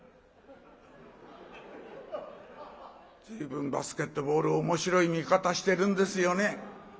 随分バスケットボール面白い見方してるんですよね。